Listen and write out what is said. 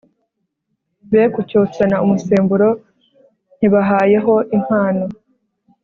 Be kucyotsanya umusemburo nkibahaye ho impano